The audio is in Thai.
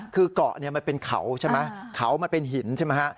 คือเกาะเนี่ยมันเป็นเขาใช่ไหมเขามันเป็นหินใช่ไหมฮะ